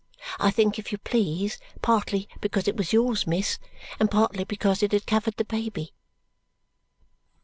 I think, if you please, partly because it was yours, miss, and partly because it had covered the baby."